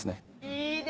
いいね